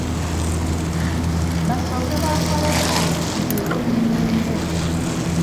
Basooke bankoleko ndyoke ŋŋende.